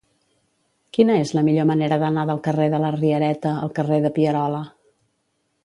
Quina és la millor manera d'anar del carrer de la Riereta al carrer de Pierola?